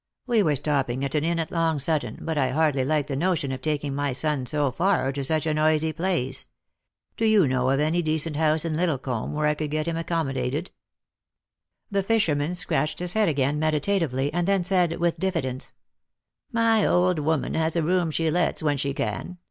We were stopping at an inn at Long Sutton, but I hardly like the notion of tak ing my son so far, or to such a noisy place. Do you know of any decent house in Liddlecomb where I could get him accom modated? " The fisherman scratched his head again meditatively, and then said, with diffidence :" My old woman has a room she lets, when she can.